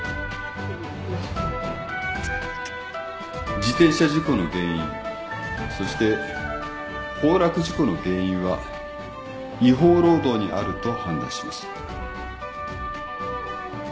自転車事故の原因そして崩落事故の原因は違法労働にあると判断します。